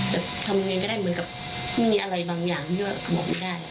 แต่ทำยังไงก็ได้มันก็ไม่มีอะไรบางอย่างว่าบอกไม่ได้